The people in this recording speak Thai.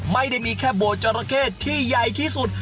ไม่ได้มีแค่โบสจราเข้ที่ใหญ่ที่สุด